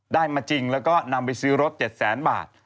มาจริงแล้วก็นำไปซื้อรถ๗แสนบาท